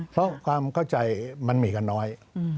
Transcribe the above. เพราะความเข้าใจมันมีกันน้อย